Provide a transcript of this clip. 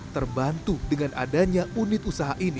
terbantu dengan adanya unit usaha ini